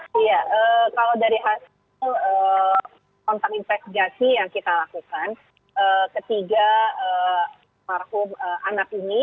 iya kalau dari hasil kontak investigasi yang kita lakukan ketiga marhum anak ini